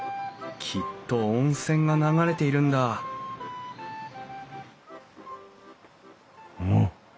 きっと温泉が流れているんだあっ？